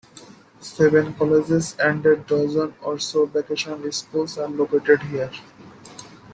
Seven colleges and a dozen or so vocational schools are located there.